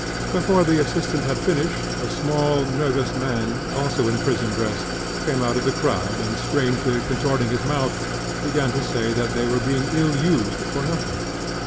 Before the assistant had finished, a small, nervous man, also in prison dress, came out of the crowd, and, strangely contorting his mouth, began to say that they were being ill used for nothing.